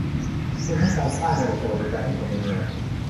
รวมทั้งการสร้างระบบสวัสสดิการให้คนในเมือง